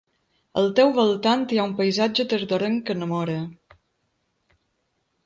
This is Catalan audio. Al teu voltant hi ha un paisatge tardorenc que enamora.